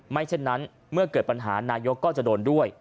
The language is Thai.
เช่นนั้นเมื่อเกิดปัญหานายกก็จะโดนด้วย